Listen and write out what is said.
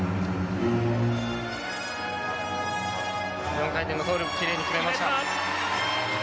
４回転トウループきれいに決めました。